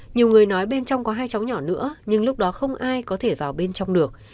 nhiều người nói bên trong có hai cháu nhỏ nữa nhưng lúc đó không ai có thể vào bên trong được